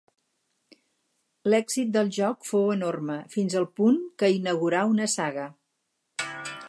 L'èxit del joc fou enorme, fins al punt que inaugurà una saga.